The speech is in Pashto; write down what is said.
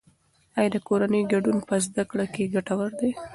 آیا د کورنۍ ګډون په زده کړه کې ګټور دی؟